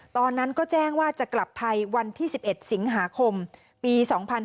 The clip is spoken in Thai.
ตอนนั้นก็แจ้งว่าจะกลับไทยวันที่๑๑สิงหาคมปี๒๕๕๙